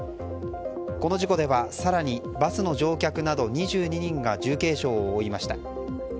この事故では更にバスの乗客など２２人が重軽傷を負いました。